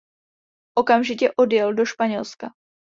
Okamžitě odjel do Španělska.